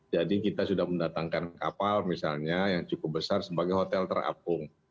jadi kita sudah mendatangkan kapal misalnya yang cukup besar sebagai hotel terapung